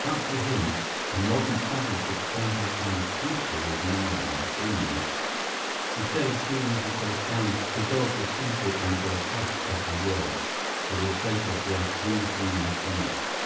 But for him, a modern traveler could spend his time peacefully admiring the scenery instead of feeling himself bound to dog the simple and grotesque of the world for the sake of their too human comments.